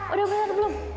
udah benar belum